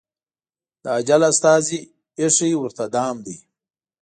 د اجل استازي ایښی ورته دام دی